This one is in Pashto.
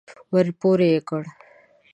ور يې پورې کړ.